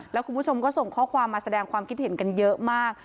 แล้วคุณผู้ชมก็ส่งข้อความมาแสดงความคิดเห็นกันเยอะมาก